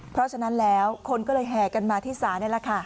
เพราะฉะนั้นแล้วคนก็เลยแห่กันมาที่ศาลนี่แหละค่ะ